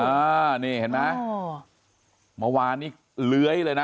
อ่านี่เห็นไหมเมื่อวานนี้เลื้อยเลยนะ